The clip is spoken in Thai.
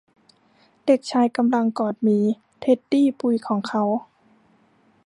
เด็กชายกำลังกอดหมีเท็ดดี้ปุยของเขา